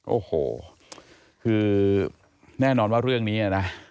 โอ้โหคือแน่นอนว่าเรื่องนี้นะ